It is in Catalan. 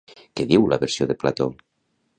Què diu la versió de Plató?